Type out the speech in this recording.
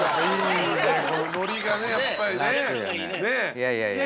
「いやいやいや。